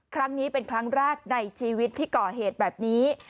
ครั้งนี้เป็นครั้งแรกในชีวิตที่ก่อเหตุแบบนี้